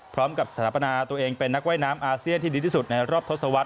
สถาปนาตัวเองเป็นนักว่ายน้ำอาเซียนที่ดีที่สุดในรอบทศวรรษ